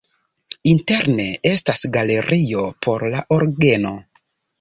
Interne estas galerio por la orgeno.